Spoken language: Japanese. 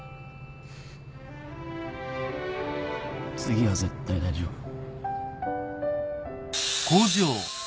次は絶対大丈夫